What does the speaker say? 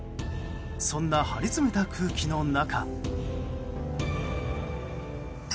そんな張り詰めた空気の中。